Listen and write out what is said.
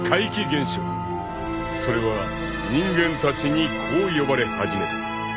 ［それは人間たちにこう呼ばれ始めた］